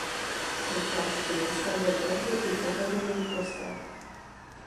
Součástí města byl tehdy i opevněný kostel.